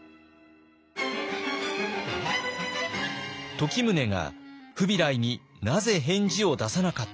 時宗がフビライになぜ返事を出さなかったのか。